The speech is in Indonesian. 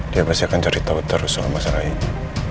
dia pasti akan ceritau terus soal masalah ini